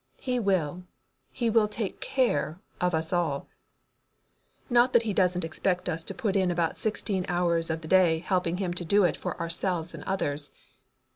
"He will, He will take care of us all, not that He doesn't expect us to put in about sixteen hours of the day helping Him to do it for ourselves and others.